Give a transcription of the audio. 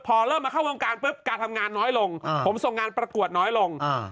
พอเริ่มมาเข้าวงการปุ๊บการทำงานน้อยลงผมส่งงานประกวดน้อยลง